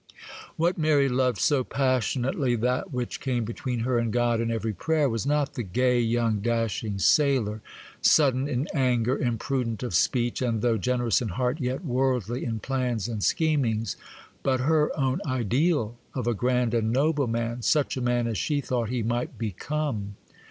What Mary loved so passionately, that which came between her and God in every prayer, was not the gay, young, dashing sailor,—sudden in anger, imprudent of speech, and, though generous in heart, yet worldly in plans and schemings,—but her own ideal of a grand and noble man, such a man as she thought he might become.